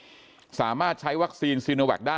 ก็คือเป็นการสร้างภูมิต้านทานหมู่ทั่วโลกด้วยค่ะ